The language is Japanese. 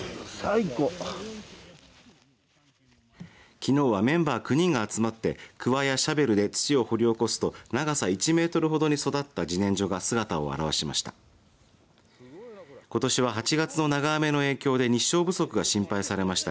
きのうはメンバー９人が集まってくわやシャベルで土を掘り起こすと長さ１メートルほどに育った、じねんじょが姿を現しました。